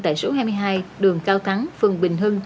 tại số hai mươi hai đường cao thắng phường bình hưng